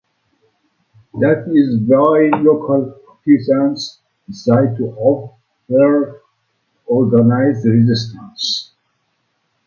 That is why local peasants decided to offer organized resistance.